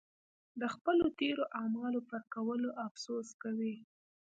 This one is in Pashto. د خپلو تېرو اعمالو پر کولو افسوس کوي.